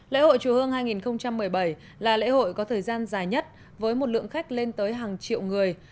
lễ hội chùa hương hai nghìn một mươi bảy là lễ hội có thời gian dài nhất với một lượng khách lên tới hàng triệu người